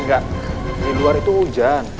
enggak di luar itu hujan